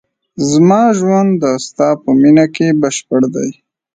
زما ژوند د ستا په مینه کې بشپړ دی.